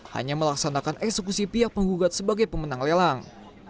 hanya melaksanakan eksekusi pihak penggugat sebagai pemenang lelang